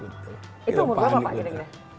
itu umur berapa pak gini gini